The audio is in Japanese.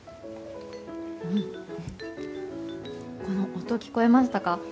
この音、聞こえましたか？